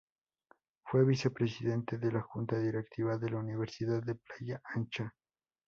Fue vicepresidente de la Junta Directiva de la Universidad de Playa Ancha.